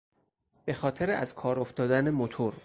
بخاطر از کار افتادن موتور